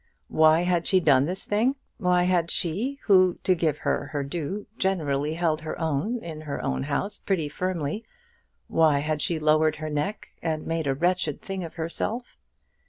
Why had she done this thing? Why had she, who, to give her her due, generally held her own in her own house pretty firmly, why had she lowered her neck and made a wretched thing of herself?